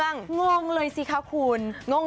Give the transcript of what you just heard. งงเลยสิครับคุณ